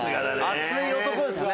熱い男ですね。